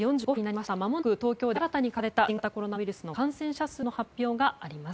まもなく東京で新たに確認された新型コロナウイルスの感染者数の発表があります。